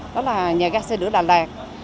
đó là nhà gai xe lửa đà lạt